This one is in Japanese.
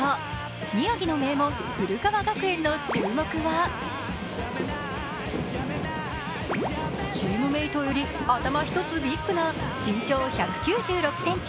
宮城の名門、古川学園の注目はチームメイトより頭一つビッグな身長１９６ｃｍ